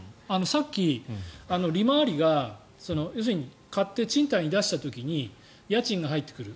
さっき利回りが要するに買って賃貸に出した時に家賃が入ってくる。